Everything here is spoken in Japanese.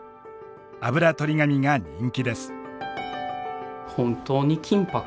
あぶらとり紙が人気です。